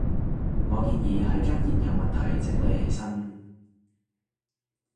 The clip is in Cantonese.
我建議係將現有問題整理起身